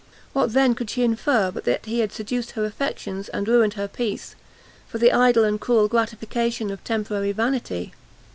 What then, could she infer, but that he had seduced her affections, and ruined her peace, for the idle and cruel gratification of temporary vanity?